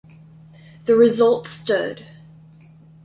The result stood.